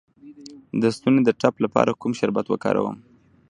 د ستوني د ټپ لپاره کوم شربت وکاروم؟